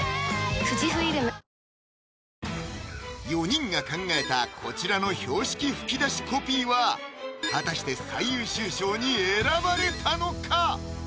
４人が考えたこちらの標識ふきだしコピーは果たして最優秀賞に選ばれたのか？